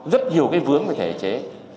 rất nhiều cái vướng về thể chế